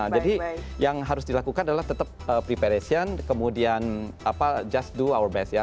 yang harus dilakukan adalah tetap preparation kemudian just do our best ya